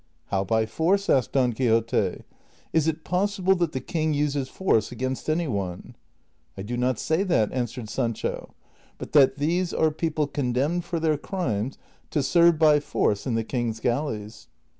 " How by force ?" asked Don Quixote ;" is it possible that the king uses force against any one ?"'' I do not say that," answered Sancho, " but that these are people condemned for their crimes to serve by force in the king's galley's."